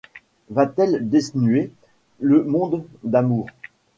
va-t-elle desnuer le monde d’amour ?